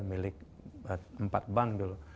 milik empat bank dulu